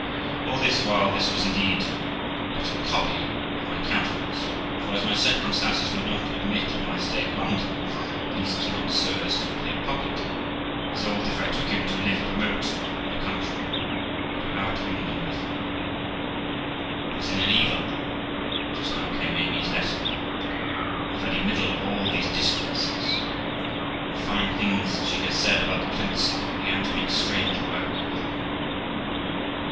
All this while this was indeed but a copy of my countenance; for, as my circumstances would not admit of my stay in London, at least not so as to appear publicly, I resolved, if I took him, to live remote in the country, or go out of England with him. 33 2 THE LIFE OF ROXANA But, in an evil hour, just now came Amy's letter, in the very middle of all these discourses; and the fine things she had said about the prince began to make strange work with me.